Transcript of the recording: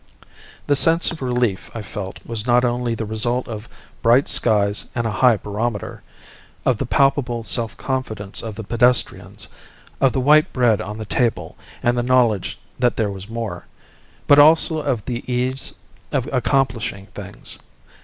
The sense of relief I felt was not only the result of bright skies and a high barometer, of the palpable self confidence of the pedestrians, of the white bread on the table and the knowledge that there was more, but also of the ease of accomplishing things.